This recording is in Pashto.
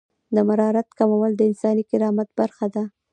د مرارت کمول د انساني کرامت برخه ده.